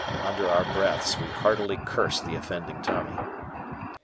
Under our breaths we heartily cursed the offending Tommy.